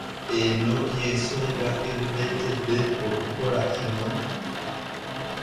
Eno y'ensonga emuleetedde okukola kino.